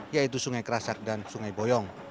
yaitu sungai kerasak dan sungai boyong